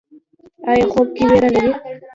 ایا خوب کې ویره لرئ؟